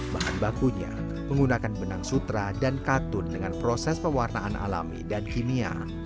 bahan bakunya menggunakan benang sutra dan katun dengan proses pewarnaan alami dan kimia